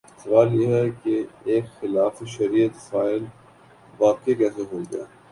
سوال یہ ہے کہ ایک خلاف شریعت فعل واقع کیسے ہوگا؟